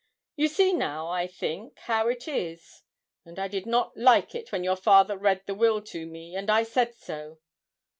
You see now, I think, how it is; and I did not like it when your father read the will to me, and I said so.